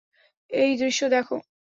এই দৃশ্য দেখো।